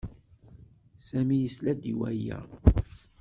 Sami yesla-d i waya.